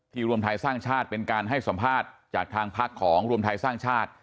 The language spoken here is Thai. รวมไทยสร้างชาติเป็นการให้สัมภาษณ์จากทางพักของรวมไทยสร้างชาติ